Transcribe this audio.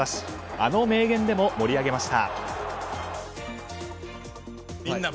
あの名言でも盛り上げました。